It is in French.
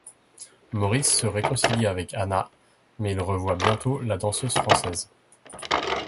Maurice se réconcilie avec Anna, mais il revoit bientôt la danseuse française.